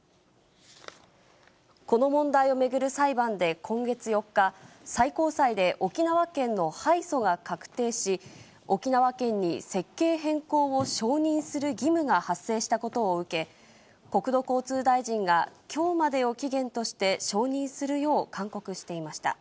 この問題を巡る裁判で今月４日、最高裁で沖縄県の敗訴が確定し、沖縄県に設計変更を承認する義務が発生したことを受け、国土交通大臣がきょうまでを期限として承認するよう勧告していました。